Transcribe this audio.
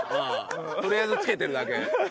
とりあえず着けてるだけ？